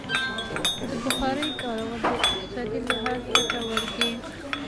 د بخارۍ کارول د اقتصادي لحاظه ګټور دي.